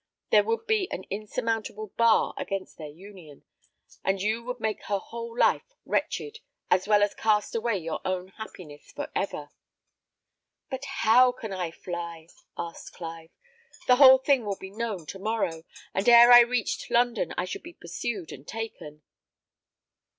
There would be an insurmountable bar against their union, and you would make her whole life wretched, as well as cast away your own happiness for ever." "But how can I fly?" asked Clive. "The whole thing will be known to morrow, and ere I reached London I should be pursued and taken."